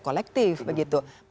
kerja kolektif begitu